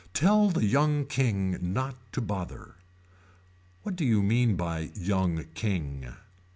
Tell the young king not to bother. What do you mean by young king.